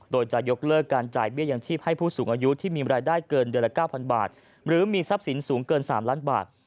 โดยจะยกเลิกการจ่ายเบี้ยยังชีพให้ผู้สูงอายุที่มีรายได้เกินเดือนละ๙๐๐บาทหรือมีทรัพย์สินสูงเกิน๓ล้านบาท